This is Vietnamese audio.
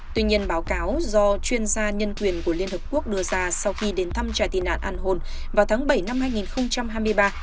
tuy nhiên báo cáo do chuyên gia nhân quyền của liên hợp quốc đưa ra sau khi đến thăm trà tị nạn anhone vào tháng bảy năm hai nghìn hai mươi ba